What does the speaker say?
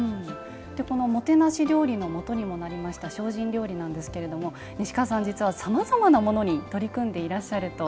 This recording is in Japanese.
もてなし料理のもとにもなりました精進料理なんですが西川さん、実はさまざまなものに取り組んでいらっしゃると。